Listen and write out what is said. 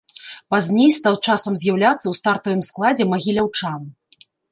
Пазней стаў часам з'яўляцца ў стартавым складзе магіляўчан.